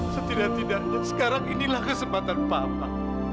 setidaknya sekarang inilah kesempatan papa